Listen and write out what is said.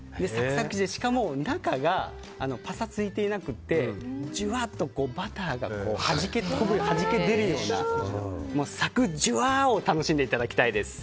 しかも中がパサついていなくてジュワッとバターがはじけ出るようなサクジュワッを楽しんでいただきたいです。